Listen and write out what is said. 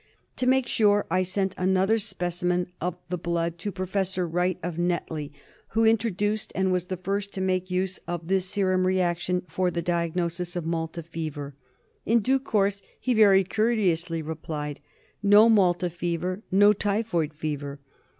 To make sure, I sent another specimen of the blood to Professor Wright of Netley, who introduced and was the first to make use of this serum reaction for the diagnosis of Malta fever. In due course he very courteously replied —" No Malta fever; no typhoid fever.'